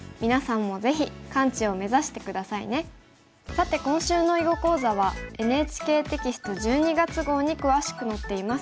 さて今週の囲碁講座はＮＨＫテキスト１２月号に詳しく載っています。